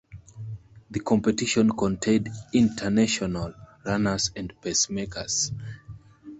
The competition contained international runners and pacemakers.